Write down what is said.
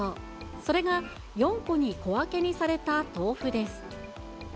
それが４個に小分けにされた豆腐です。